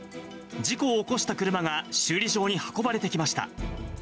事故を起こした車が修理場に運ばれてきました。